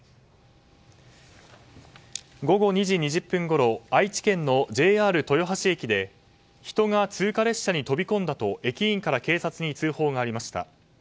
午後２時２０分ごろ愛知県のＪＲ豊橋駅で人が通過列車に飛び込んだと駅員から警察に通報がありました。